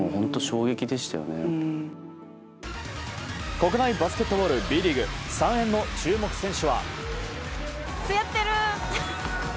国内バスケットボールＢリーグ三遠の注目選手は。